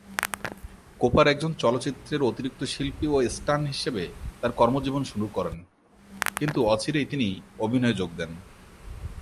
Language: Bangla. কুপার একজন চলচ্চিত্রের অতিরিক্ত শিল্পী ও স্টান্ট হিসেবে তার কর্মজীবন শুরু করেন, কিন্তু অচিরেই তিনি অভিনয়ে যোগ দেন।